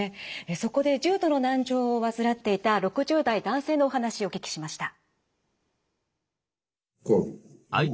そこで重度の難聴を患っていた６０代男性のお話お聞きしました。